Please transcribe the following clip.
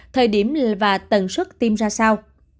thời điểm và tần suất tiêm ra sao